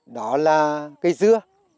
đó là cây dưa